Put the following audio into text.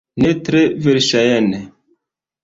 Ne tre verŝajne.